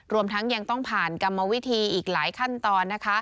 รวมทั้งยังต้องผ่านกรรมวิธีอีกหลายขั้นตอนนะคะ